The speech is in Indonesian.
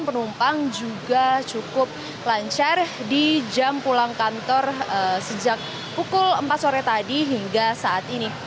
penumpang juga cukup lancar di jam pulang kantor sejak pukul empat sore tadi hingga saat ini